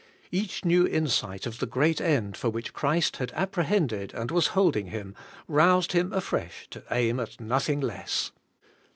Each new insight of the great end for which Christ had apprehended and was holding him, roused him afresh to aim at nothing less.